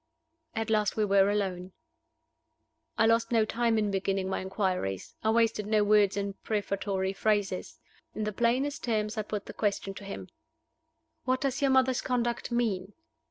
At last we were alone. I lost no time in beginning my inquiries; I wasted no words in prefatory phrases. In the plainest terms I put the question to him: "What does your mother's conduct mean?"